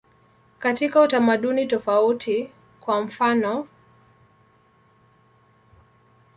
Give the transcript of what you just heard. Katika utamaduni tofauti, kwa mfanof.